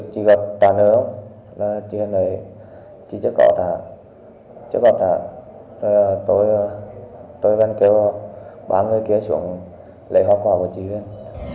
để thuận lợi cho hoạt động của mình